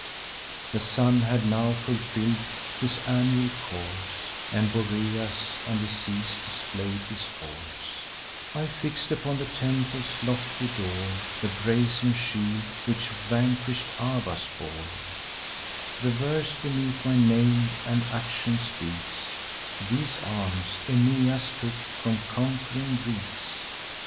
The sun had now fulfill'd his annual course, And Boreas on the seas display'd his force: I fix'd upon the temple's lofty door The brazen shield which vanquish'd Abas bore; The verse beneath my name and action speaks: 'These arms Aeneas took from conqu'ring Greeks.